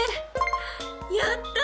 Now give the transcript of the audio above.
やった！